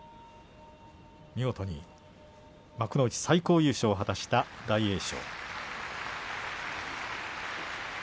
見事に幕内最高優勝を果たした大栄翔。